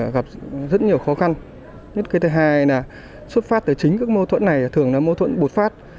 gặp rất nhiều khó khăn nhất cái thứ hai là xuất phát từ chính các mâu thuẫn này thường là mô thuẫn bột phát